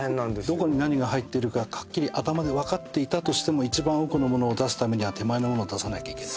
どこに何が入っているかはっきり分かっていたとしても一番奥の物を出すためには手前の物を出さなきゃいけないですね。